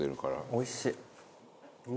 おいしい。